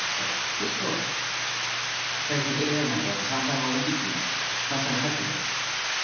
そうすると最近ＡＩなんかやっぱ三々が大きいっていいますから三々に入ってきます。